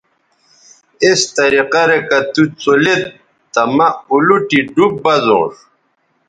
اس طریقہ رے کہ تُوڅولید تہ مہ اولوٹی ڈوب بزونݜ